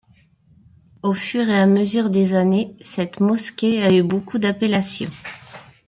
Au fur et à mesure des années, cette mosquée a eu beaucoup d'appellations.